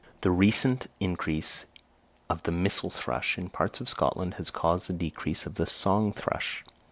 The recent increase of the missel thrush in parts of Scotland has caused the decrease of the song thrush.